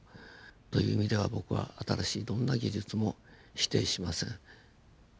という意味では僕は新しいどんな技術も否定しません。